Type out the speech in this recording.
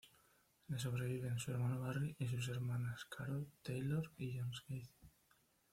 Le sobreviven su hermano Barry y sus hermanas Carole Taylor y Jones Cathy.